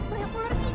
beri aku lari